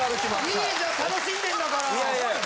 いいじゃん楽しんでんだから。